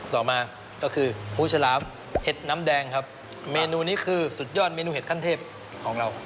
ต่อมาก็คือปูฉลามเห็ดน้ำแดงครับเมนูนี้คือสุดยอดเมนูเห็ดขั้นเทพของเรา